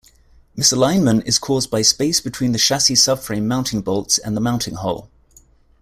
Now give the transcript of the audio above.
Misalignment is caused by space between the chassis-subframe mounting bolts and the mounting hole.